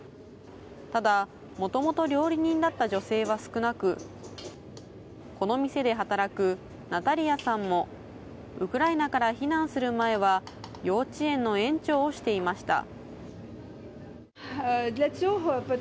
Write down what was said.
ただ、もともと料理人だった女性は少なく、この店で働くナタリアさんも、ウクライナから避難する前は、幼稚園の園長をしていました。